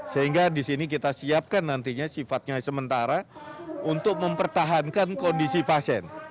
sehingga di sini kita siapkan nantinya sifatnya sementara untuk mempertahankan kondisi pasien